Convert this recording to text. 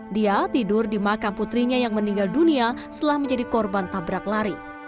dia tidur di makam putrinya yang meninggal dunia setelah menjadi korban tabrak lari